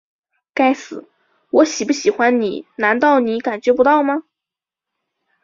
该死，我喜不喜欢你难道你感觉不到吗?